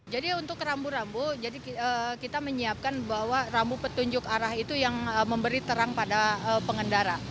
jadi untuk rambu rambu kita menyiapkan bahwa rambu petunjuk arah itu yang memberi terang pada pengendara